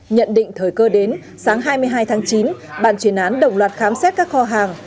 nhận định thời cơ đến sáng hai mươi hai tháng chín bàn chuyển án đồng loạt khám xét các kho hàng